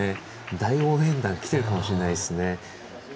大応援団がきてるかもしれないですね。